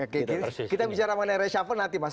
oke kita bicara mengenai reshuffle nanti mas